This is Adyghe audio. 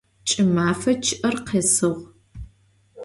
Ç'ımefe ççı'er khesığ.